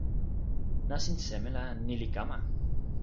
nasin seme la ni li kama?